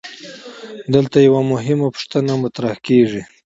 دلته یوه مهمه پوښتنه مطرح کیږي.